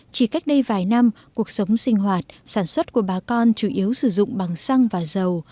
chỉ cách đây vài năm cuộc sống sinh hoạt sản xuất của bà con chủ yếu sử dụng bằng xăng và dầu